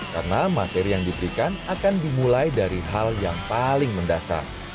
karena materi yang diberikan akan dimulai dari hal yang paling mendasar